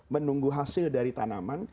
menunggu hasil dari tanaman